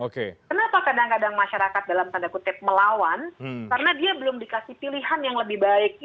kenapa kadang kadang masyarakat dalam tanda kutip melawan karena dia belum dikasih pilihan yang lebih baik